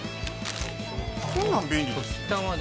こんなん便利。